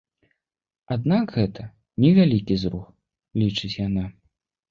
Аднак гэта невялікі зрух, лічыць яна.